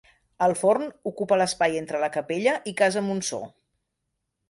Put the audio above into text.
El forn ocupa l'espai entre la capella i Casa Monsó.